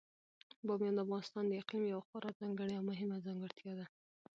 بامیان د افغانستان د اقلیم یوه خورا ځانګړې او مهمه ځانګړتیا ده.